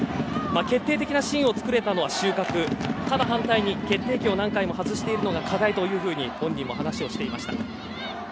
決定的なシーンを作れたのは収穫だが反対に決定機を何回も外しているのが課題というふうに本人も話をしていました。